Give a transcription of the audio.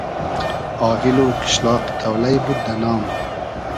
آغیل و قیشلاقی تۉلݷ بود دۂ نام